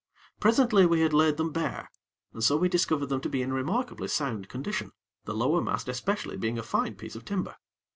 Presently we had laid them bare, and so we discovered them to be in remarkably sound condition, the lower mast especially being a fine piece of timber.